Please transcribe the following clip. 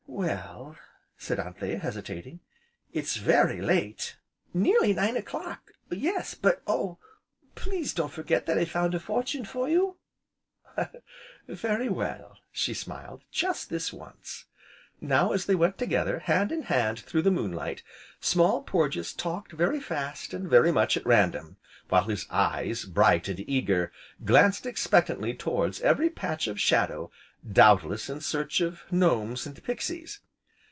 "Well," said Anthea, hesitating, "it's very late! " "Nearly nine o 'clock, yes! But Oh! please don't forget that I found a fortune for you " "Very well," she smiled, "just this once." Now as they went together, hand in hand through the moonlight, Small Porges talked very fast, and very much at random, while his eyes, bright, and eager, glanced expectantly towards every patch of shadow, doubtless in search of gnomes, and pixies.